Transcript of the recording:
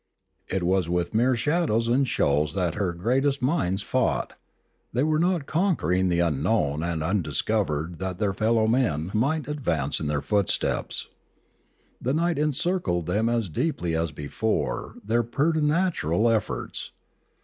It was with mere shadows and shows that her greatest minds fought ; they were not conquer ing the .unknown and undiscovered that their fellow men might advance in their footsteps. The night encircled them as deeply as before their preternatural efforts.